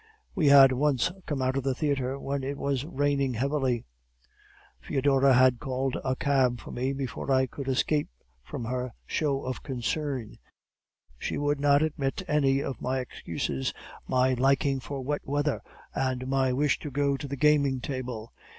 "We had once come out of the theatre when it was raining heavily, Foedora had called a cab for me before I could escape from her show of concern; she would not admit any of my excuses my liking for wet weather, and my wish to go to the gaming table.